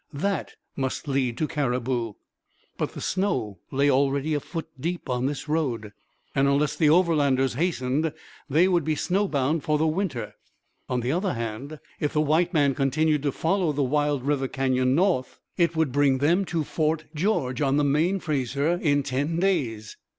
That must lead to Cariboo; but the snow lay already a foot deep on this road; and unless the Overlanders hastened they would be snowbound for the winter. On the other hand, if the white men continued to follow the wild river canyon north, it would bring them to Fort George on the main Fraser in ten days.